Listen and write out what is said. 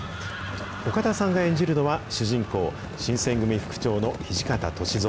岡田さんが演じるのは、主人公、新選組副長の土方歳三。